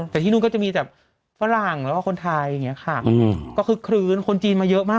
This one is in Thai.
แต่ที่นู่นก็จะมีแต่ฝรั่งแล้วก็คนไทยอย่างนี้ค่ะก็คือคลื้นคนจีนมาเยอะมาก